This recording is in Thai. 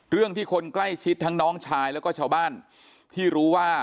เรื่องที่คนใกล้ชิดทั้งน้องชายแล้วก็ชาวบ้านที่รู้ว่า